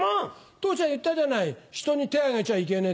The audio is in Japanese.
父ちゃん言ったじゃない「人に手上げちゃいけねえ」